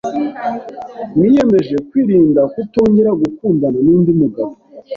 niyemeje kwirinda kutongera gukundana n’undi mugabo